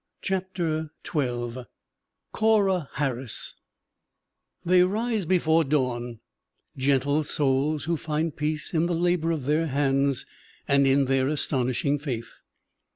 CHAPTER XII CORRA HARRIS THEY rise before dawn, gentle souls who find peace in the labor of their hands and in their astonishing faith.